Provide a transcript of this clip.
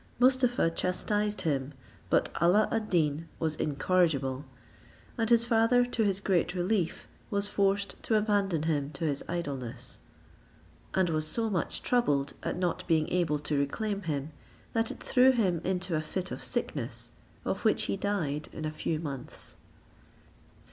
Mustapha chastised him, but Alla ad Deen was incorrigible, and his father, to his great grief, was forced to abandon him to his idleness: and was so much troubled at not being able to reclaim him, that it threw him into a fit of sickness, of which he died in a few months.